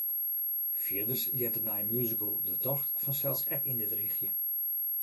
Fierders heart de nije musical ‘De Tocht’ fansels ek yn dit rychje.